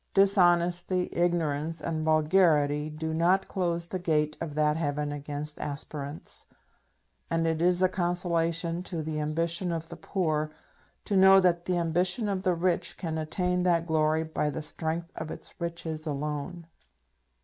Dishonesty, ignorance, and vulgarity do not close the gate of that heaven against aspirants; and it is a consolation to the ambition of the poor to know that the ambition of the rich can attain that glory by the strength of its riches alone.